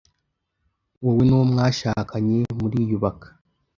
Wowe n’uwo mwashakanye muriyubaka,